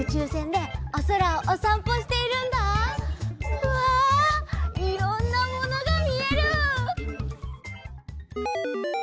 うわいろんなものがみえる！